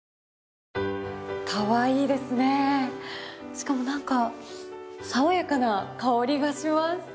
しかも何か爽やかな香りがします。